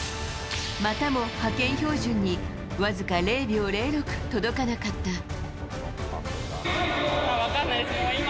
またも派遣標準にわずか０秒０６届かなかった。